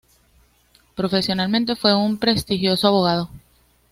Profesionalmente fue un prestigioso abogado.